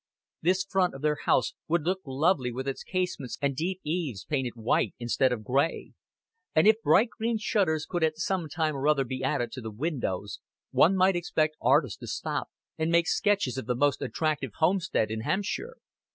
This front of their house would look lovely with its casements and deep eaves painted white instead of gray; and if bright green shutters could at some time or other be added to the windows, one might expect artists to stop and make sketches of the most attractive homestead in Hampshire.